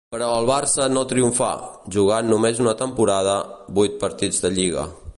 Però al Barça no triomfà, jugant només una temporada, vuit partits de lliga.